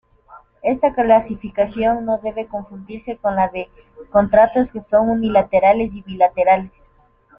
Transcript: Esta clasificación no debe confundirse con la de contratos que son unilaterales y bilaterales.